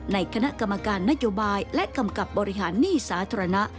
ในคณะกรรมการนโยบายและกำกับบริหารหนี้สาธารณะ